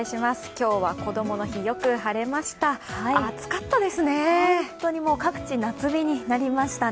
今日はこどもの日よく晴れました。